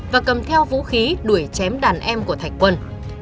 và cầm theo vũ khí đuổi chém đàn em của thạch quân